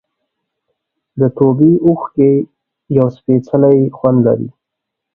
د توبې اوښکې یو سپېڅلی خوند لري.